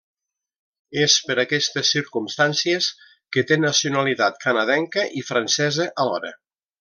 És per aquestes circumstàncies que té nacionalitat canadenca i francesa alhora.